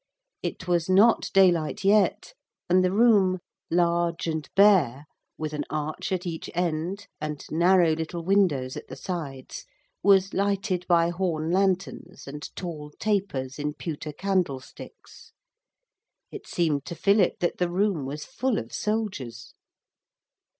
It was not daylight yet, and the room, large and bare, with an arch at each end and narrow little windows at the sides, was lighted by horn lanterns and tall tapers in pewter candlesticks. It seemed to Philip that the room was full of soldiers.